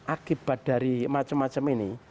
akibat dari macam macam ini